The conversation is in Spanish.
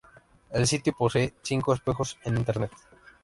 El sitio posee cinco espejos en Internet.